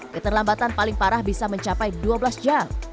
keterlambatan paling parah bisa mencapai dua belas jam